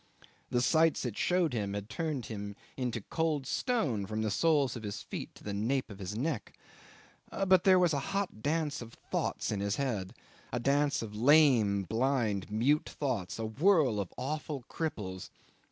The sights it showed him had turned him into cold stone from the soles of his feet to the nape of his neck; but there was a hot dance of thoughts in his head, a dance of lame, blind, mute thoughts a whirl of awful cripples.